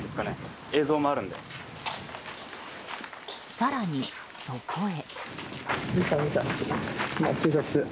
更に、そこへ。